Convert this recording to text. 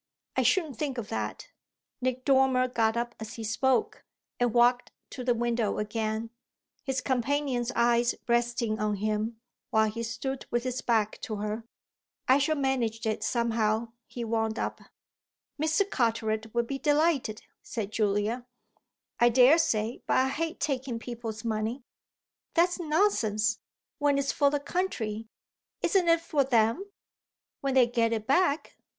I shouldn't think of that." Nick Dormer got up as he spoke, and walked to the window again, his companion's eyes resting on him while he stood with his back to her. "I shall manage it somehow," he wound up. "Mr. Carteret will be delighted," said Julia. "I daresay, but I hate taking people's money." "That's nonsense when it's for the country. Isn't it for them?" "When they get it back!"